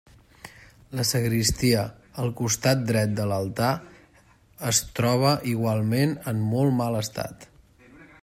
La sagristia, al costat dret de l'altar, es troba igualment en molt mal estat.